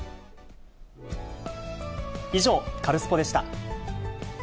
以上、カルスポっ！でした。